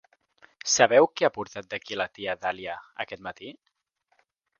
Sabeu què ha portat aquí la tia Dahlia aquest matí?